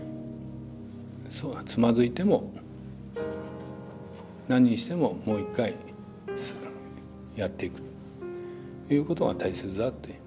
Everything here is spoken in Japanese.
つまずいても何してももう一回やっていくということが大切だっていう。